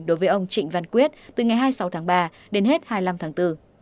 đối với ông trịnh văn quyết từ ngày hai mươi sáu tháng ba đến hết hai mươi năm tháng bốn